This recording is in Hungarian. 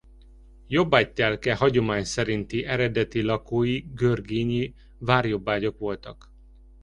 Jobbágytelke hagyomány szerinti eredeti lakói görgényi várjobbágyok voltak.